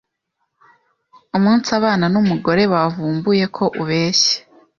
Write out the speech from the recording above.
umunsi abana n’umugore bavumbuye ko ubeshya